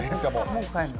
もう帰るの？